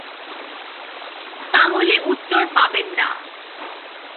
তাহলে উত্তর পাবেন না।